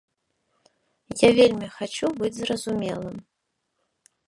Я вельмі хачу быць зразумелым.